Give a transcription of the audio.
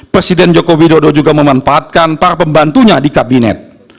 presiden joko widodo juga memanfaatkan para pembantunya di kabinet